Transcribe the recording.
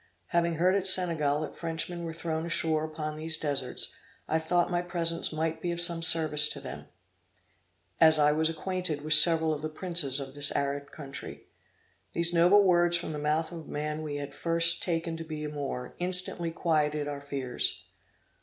Having heard at Senegal that Frenchmen were thrown ashore upon these deserts, I thought my presence might be of some service to them, as I was acquainted with several of the princes of this arid country." These noble words from the mouth of a man we had at first taken to be a Moor, instantly quieted our fears.